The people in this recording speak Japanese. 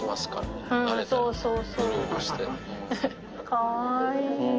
かわいいね。